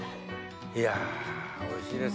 いやおいしいです。